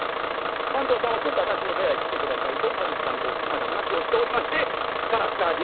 番頭さんはちょっと私の部屋へ来て下さい」と主番頭遅くまで話をしておりまして烏カァで夜が明けて。